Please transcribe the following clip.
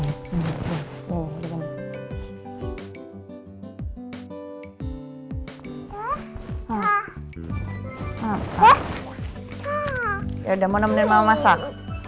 ya udah mau nemenin mama masak